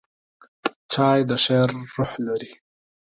چای د شعر روح لري.